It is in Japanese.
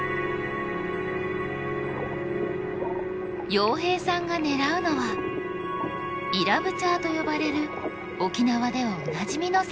洋平さんが狙うのはイラブチャーと呼ばれる沖縄ではおなじみの魚。